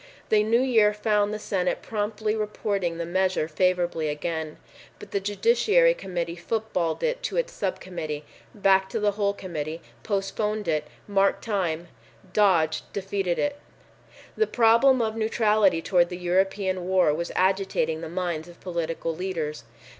The new year found the Senate promptly reporting the measure favorably again, but the Judiciary Committee footballed it to its sub committee, back to the whole committee, postponed it, marked time, dodged defeated it. The problem of neutrality toward the European war was agitating the minds of political leaders.